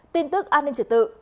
tin tức an ninh trở tự